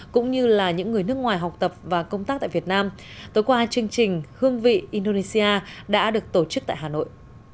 cũng như là những người nước ngoài học tập và công tác tại việt nam tối qua chương trình hương vị indonesia đã được tổ chức tại hà nội